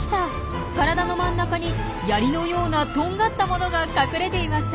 体の真ん中にヤリのようなとんがったものが隠れていました。